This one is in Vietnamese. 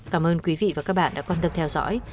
cảm ơn quý vị và các bạn đã quan tâm theo dõi